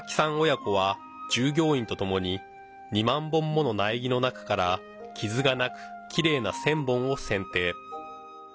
親子は従業員とともに２万本もの苗木の中から傷がなくきれいな１０００本を選定。